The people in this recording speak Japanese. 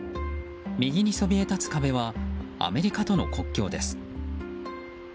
右にそびえ立つ壁はアメリカとの国境です。